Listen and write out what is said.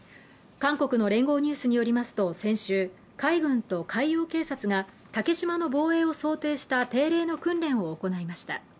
韓国の聯合ニュースによりますと、先週、海軍と海洋警察が竹島の防衛を想定した定例の訓練を行いました。